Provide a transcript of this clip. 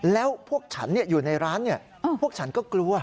แล้วพวกฉันอยู่ในร้านพวกฉันก็กลัว